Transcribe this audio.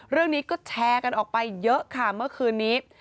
เรื่องนี้ก็แชร์กันออกไปเยอะค่ะเมื่อคืนนี้